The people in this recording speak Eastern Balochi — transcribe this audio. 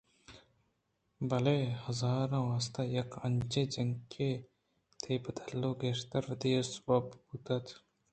بلئے ہانز ءِ واستہ یک انچیں جنکے تئی بدل ءَ گیشتر وتی ءِ سبب بوتگ اَت